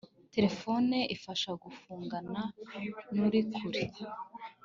telephone ifasha kuvugana nurikure